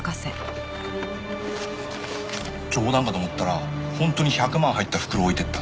冗談かと思ったら本当に１００万入った袋を置いてった。